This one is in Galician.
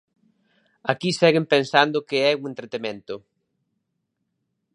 Aquí seguen pensando que é un entretemento.